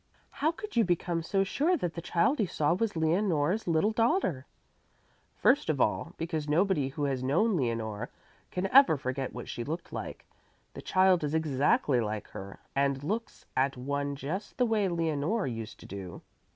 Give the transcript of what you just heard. "How could you become so sure that the child you saw was Leonore's little daughter?" "First of all, because nobody who has known Leonore can ever forget what she looked like. The child is exactly like her and looks at one just the way Leonore used to do.